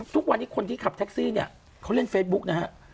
ทุกวันนี้คนที่ขับแท็กซี่เนี่ยเขาเล่นเฟซบุ๊กนะฮะ